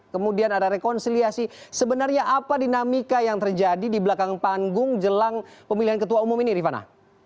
kemudian ada rekonsiliasi sebenarnya apa dinamika yang terjadi di belakang panggung jelang pemilihan ketua umum ini rifana